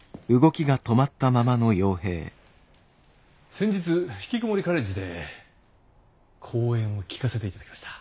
先日ひきこもりカレッジで講演を聴かせていただきました。